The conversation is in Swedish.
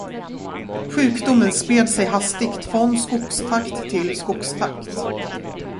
Sjukdomen spred sig hastigt från skogstrakt till skogstrakt.